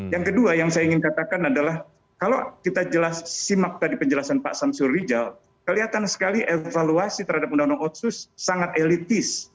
yang kedua yang saya ingin katakan adalah kalau kita jelas simak tadi penjelasan pak samsul rijal kelihatan sekali evaluasi terhadap undang undang otsus sangat elitis